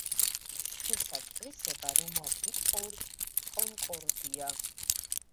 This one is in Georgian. შეესატყვისება რომაული კონკორდია.